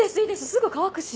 すぐ乾くし。